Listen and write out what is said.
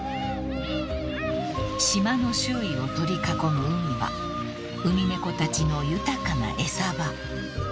［島の周囲を取り囲む海はウミネコたちの豊かな餌場］